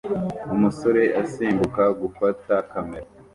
Umusore asimbuka gufata kamera